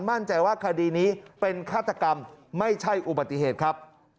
มั่นใจว่าคดีนี้เป็นฆาตกรรมไม่ใช่อุบัติเหตุครับ